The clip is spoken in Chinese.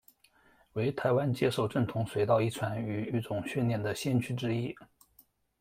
为台湾接受正统水稻遗传与育种训练的先驱之一。